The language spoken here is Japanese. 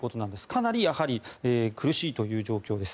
かなり、やはり苦しいという状況です。